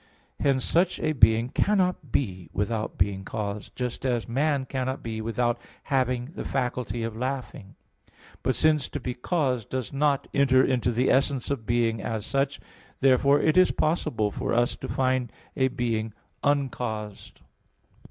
Hence such a being cannot be without being caused, just as man cannot be without having the faculty of laughing. But, since to be caused does not enter into the essence of being as such, therefore is it possible for us to find a being uncaused.